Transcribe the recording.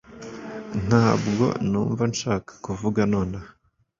ntabwo numva nshaka kuvuga nonaha